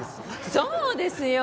そうですよ。